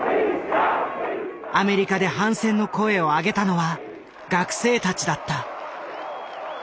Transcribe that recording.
アメリカで反戦の声を上げたのは学生たちだった。